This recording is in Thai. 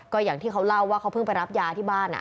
ก็อย่างที่เขาเล่าว่าเขาเพิ่งไปรับยาที่บ้าน